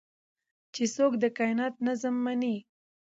چې څوک د کائنات نظم مني